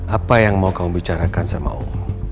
apa yang mau kamu bicarakan sama allah